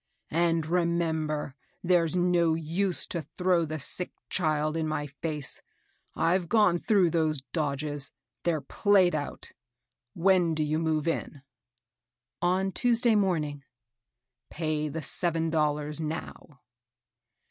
And remem ber, there's no use to throw the sick child in my face. I've gone through those dodges, — they're played out. When do you move in ?"" On Tuesday morning." " Pay the seven dollars now."